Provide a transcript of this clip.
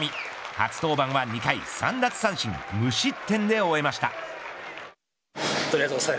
初登板は、２回３奪三振で無失点で終えました。